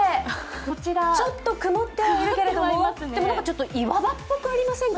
ちょっと曇ってはいるけれどもちょっと岩場っぽくありませんか。